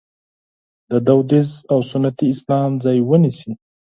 د دودیز او سنتي اسلام ځای ونیسي.